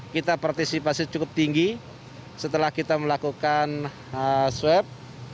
kita partisipasi cukup tinggi setelah kita melakukan swab